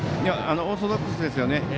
オーソドックスですね。